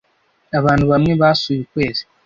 abantu bamwe basuye ukwezi